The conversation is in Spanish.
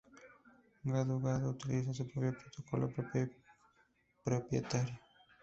Gadu-Gadu utiliza su propio protocolo propietario.